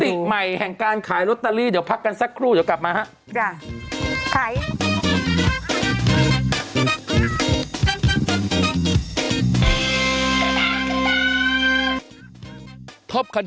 สิ่งใหม่แห่งการขายลอตเตอรี่เดี๋ยวพักกันสักครู่เดี๋ยวกลับมาฮะ